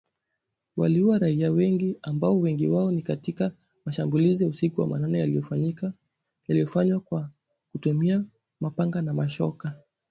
Waliua raia wengi ambapo wengi wao ni katika mashambulizi ya usiku wa manane yaliyofanywa kwa kutumia mapanga na mashoka.